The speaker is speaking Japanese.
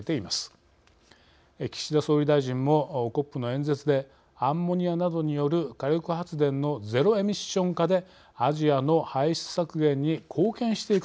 岸田総理大臣もＣＯＰの演説でアンモニアなどによる火力発電のゼロエミッション化でアジアの排出削減に貢献していくと表明しました。